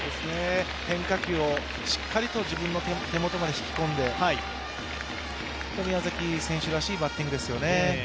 変化球をしっかりと自分の手元まで引き込んで、本当に宮崎選手らしいバッティングですよね。